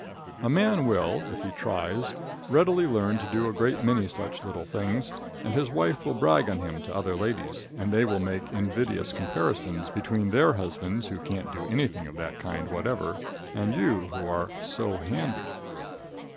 A man will, if he tries, readily learn to do a great many such little things and his wife will brag on him to other ladies, and they will make invidious comparisons between their husbands who can't do anything of that kind whatever, and you who are "so handy."